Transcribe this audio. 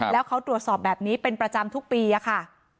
แล้วเขาตรวจสอบแบบนี้เป็นประจำทุกปีค่ะ